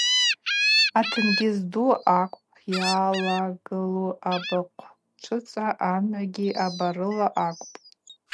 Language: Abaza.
Атенгьыз ду аквта йалагылу абыхъвчӏвыца амгӏвагьи абарыла акӏвпӏ.